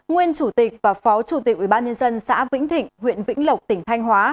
nguyên chủ tịch và phó chủ tịch ubnd xã vĩnh thịnh huyện vĩnh lộc tỉnh thanh hóa